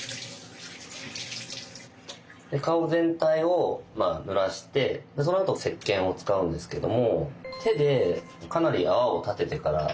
顔全体をぬらしてそのあと石けんを使うんですけども手でかなり泡を立ててからこの泡を顔に塗る感じです。